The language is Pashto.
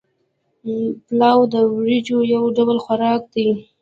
پلاو د وریجو یو ډول خوراک دی